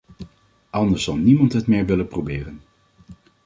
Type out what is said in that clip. Anders zal niemand het meer willen proberen.